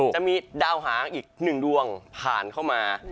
จะมีดาวหางอีก๑ดวงผ่านเข้ามา